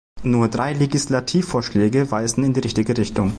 Nur drei Legislativvorschläge weisen in die richtige Richtung.